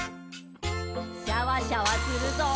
シャワシャワするぞ。